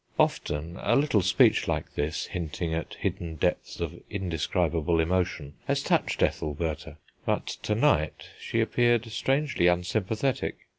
Often a little speech like this, hinting at hidden depths of indescribable emotion has touched Ethelbertha, but to night she appeared strangely unsympathetic.